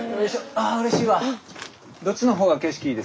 ああうれしいわ。